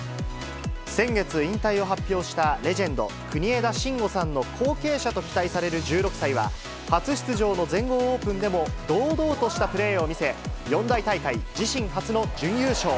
先月、引退を発表したレジェンド、国枝慎吾さんの後継者と期待される１６歳は、初出場の全豪オープンでも堂々としたプレーを見せ、四大大会、自身初の準優勝。